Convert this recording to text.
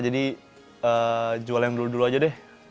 jadi jual yang dulu dulu aja deh